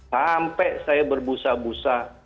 sampai saya berbusa busa